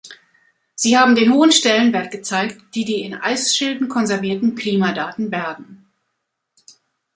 Sie haben den hohen Stellenwert gezeigt, die die in Eisschilden konservierten Klimadaten bergen.